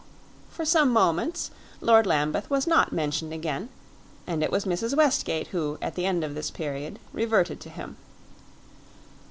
For some moments Lord Lambeth was not mentioned again, and it was Mrs. Westgate who, at the end of this period, reverted to him.